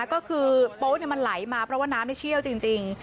ก็คือโป๊ะมันไหลมาเพราะว่าน้ำเชี่ยวจริง